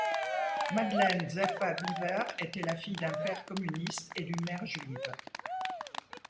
Madeleine Zeffa Biver était la fille d’un père communiste et d’une mère juive.